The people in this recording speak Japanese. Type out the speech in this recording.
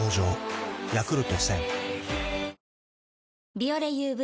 「ビオレＵＶ」